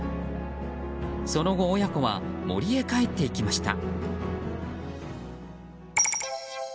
その後、親子は森へ帰っていきました。